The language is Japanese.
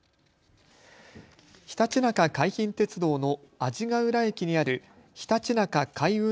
ひたちなか海浜鉄道の阿字ヶ浦駅にあるひたちなか開運